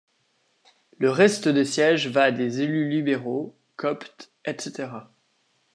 Le reste des sièges va à des élus libéraux, coptes, etc.